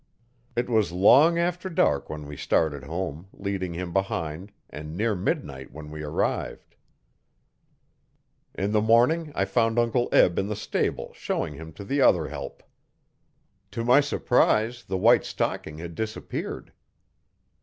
It was long after dark when we started home, leading him behind, and near midnight when we arrived. In the morning I found Uncle Eb in the stable showing him to the other help. To my surprise the white stocking had disappeared.